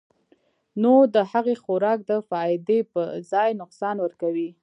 نو د هغې خوراک د فائدې پۀ ځائے نقصان ورکوي -